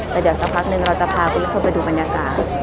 แต่เดี๋ยวสักพักหนึ่งเราจะพาคุณผู้ชมไปดูบรรยากาศ